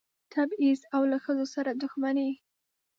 تبعیض او له ښځو سره دښمني.